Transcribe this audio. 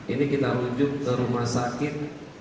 ini kita rujuk ke rumah sakit